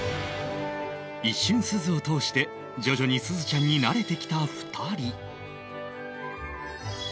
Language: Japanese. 一瞬すずを通して徐々にすずちゃんに慣れてきた２人